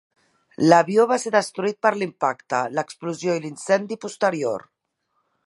L'avió va ser destruït per l'impacte, l'explosió i l'incendi posterior.